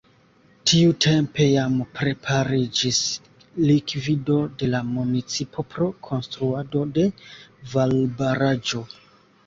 Tiutempe jam prepariĝis likvido de la municipo pro konstruado de valbaraĵo.